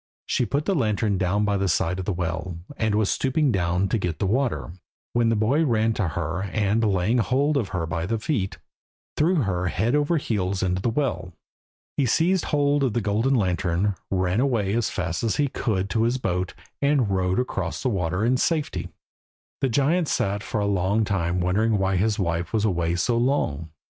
She put the lantern down by the side of the well, and was stooping down to get the water, when the boy ran to her, and, laying hold of her by the feet, threw her head over heels into the well. He seized hold of the golden lantern, ran away as fast as he could to his boat, and rowed across the water in safety. The giant sat for a long time wondering why his wife was away so long.